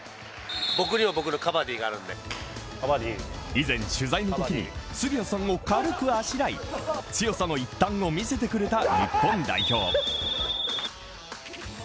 以前、取材のときに杉谷さんを軽くあしらい強さの一端を見せてくれた日本代表。